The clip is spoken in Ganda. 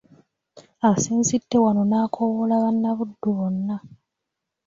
Asinzidde wano n'akoowoola bannabuddu bonna